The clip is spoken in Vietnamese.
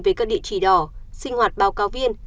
về các địa chỉ đỏ sinh hoạt báo cáo viên